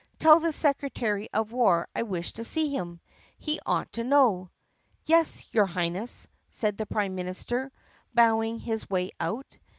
"Tell the secretary of war I wish to see him. He ought to know." "Yes, your Highness," said the prime minister, bowing his way out.